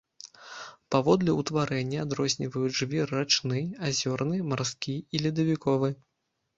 Паводле ўтварэння адрозніваюць жвір рачны, азёрны, марскі і ледавіковы.